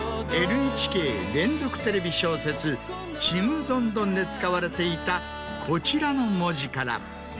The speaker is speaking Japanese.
ＮＨＫ連続テレビ小説『ちむどんどん』で使われていたこちらの文字から。